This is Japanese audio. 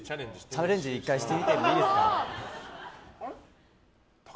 チャレンジ１回してみてもいいですか？